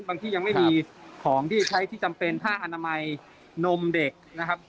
ที่ยังไม่มีของที่ใช้ที่จำเป็นผ้าอนามัยนมเด็กนะครับ